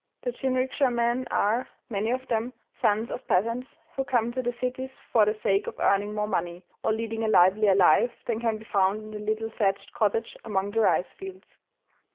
The jinrikisha men are, many of them, sons of peasants, who come to the cities for the sake of earning more money, or leading a livelier life than can be found in the little thatched cottage among the rice fields.